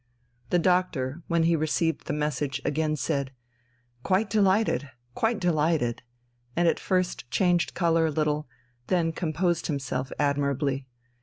The doctor, when he received the message, again said: "Quite delighted ... quite delighted, ..." and at first changed colour a little, then composed himself admirably.